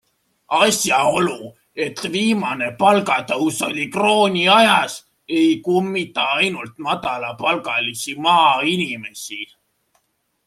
Asjaolu, et viimane palgatõus oli krooniajas, ei kummita ainult madalapalgalisi maainimesi.